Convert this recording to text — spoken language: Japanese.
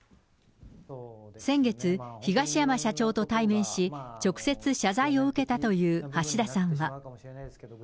先月、東山社長と対面し、直接謝罪を受けたという橋田さんは。